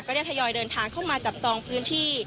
ได้ทยอยเดินทางเข้ามาจับจองพื้นที่